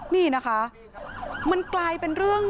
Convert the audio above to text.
นี่นะคะมันกลายเป็นเรื่อง